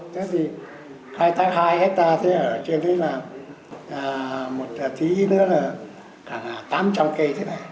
thế thì khai thác hai hectare ở trên đấy là một tí nữa là tám trăm linh cây thế này